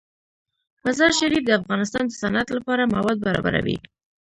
مزارشریف د افغانستان د صنعت لپاره مواد برابروي.